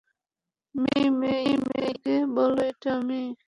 মেই-মেই, তাকে বলো এটা আমি।